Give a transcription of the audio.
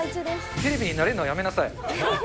テレビに慣れるのはやめなさい。